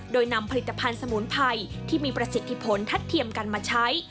โดยนำผลิตภัณฑ์สมุนไพรที่มีประสิทธิผลทัดเทียมกันมาใช้